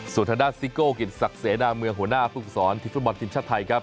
สวทดาสสิโกกิลศักดิ์เสดามเมืองหัวหน้าผู้ประสอนทฤษฐบาลทีมชาติไทยครับ